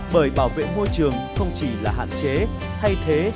bởi bảo vệ môi trường không chỉ là hạn chế thay thế